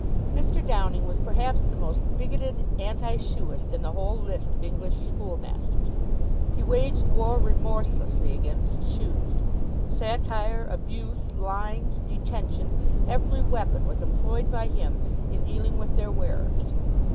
Mr. Downing was perhaps the most bigoted anti shoeist in the whole list of English schoolmasters. He waged war remorselessly against shoes. Satire, abuse, lines, detention every weapon was employed by him in dealing with their wearers.